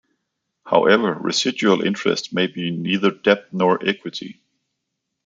However, residual interests may be neither debt nor equity.